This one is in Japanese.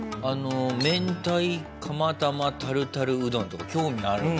めんたい釜玉タルタルうどんとか興味あるもん。